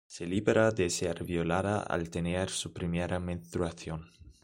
Se libra de ser violada al tener su primera menstruación.